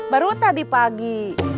baru tadi pagi